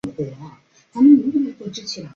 木栓形成层为负责周皮发展的分生组织层。